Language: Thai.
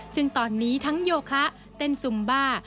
ซึ่งตอนนี้ทั้งโยคะเต้นซุมบ้า